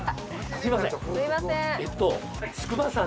すみません。